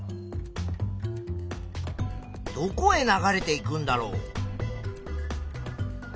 どこへ流れていくんだろう？